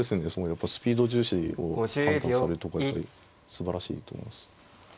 やっぱスピード重視を判断されるとこがやっぱりすばらしいと思います。